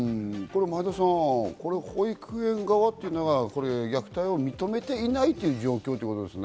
前田さん、保育園側というのは、虐待を認めていないという状況ということですね。